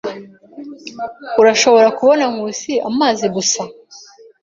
Urashobora kubona Nkusi amazi gusa?